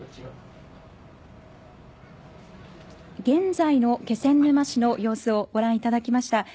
現在の気仙沼市の様子をご覧いただきました。